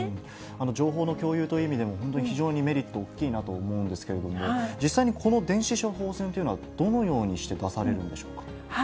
情報の共有という意味でも、本当に非常にメリット大きいなと思うんですけれども、実際にこの電子処方箋というのは、どのようにして出されるんでしょうか。